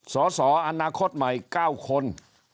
สอสออนาคตใหม่๙คน